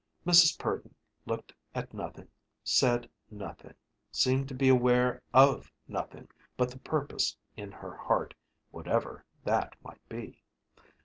Mrs. Purdon looked at nothing, said nothing, seemed to be aware of nothing but the purpose in her heart, whatever that might be.